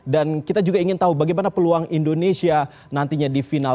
dan kita juga ingin tahu bagaimana peluang indonesia nantinya di final